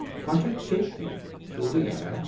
" Can't you take me through the air ?